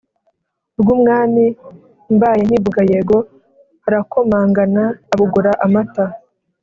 rw’umwami mbaye nkivuga yego arakomangana abogora amata"